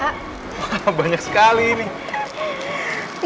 wah banyak sekali ini